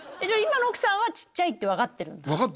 じゃあ今の奥さんはちっちゃいって分かってるんだ？